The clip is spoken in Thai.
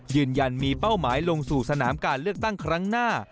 ยืนยันมีเป้าหมายลงสู่สนามการเลือกตั้งครั้งหน้า